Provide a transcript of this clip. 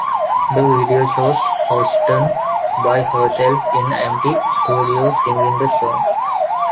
The video shows Houston by herself in an empty studio singing the song.